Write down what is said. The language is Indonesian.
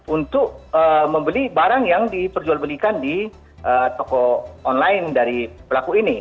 untuk membeli barang yang diperjualbelikan di toko online dari pelaku ini